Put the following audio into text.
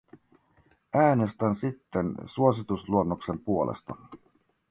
Äänestän siten suositusluonnoksen puolesta.